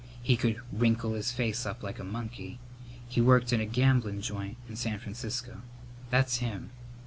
He could wrinkle his face up like a monkey. He worked in a gamblin' joint in San Francisco. That's him."